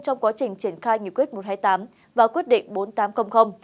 trong quá trình triển khai nghị quyết một trăm hai mươi tám và quyết định bốn nghìn tám trăm linh